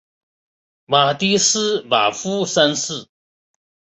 瓦迪斯瓦夫三世。